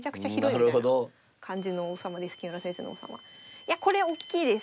いやこれおっきいです。